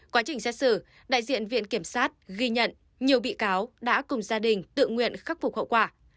quá trình xét xử đại diện viện kiểm sát ghi nhận nhiều bị cáo đã cùng gia đình tự nguyện khắc phục hậu quả